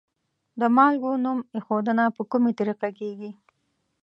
د مالګو نوم ایښودنه په کومې طریقې کیږي؟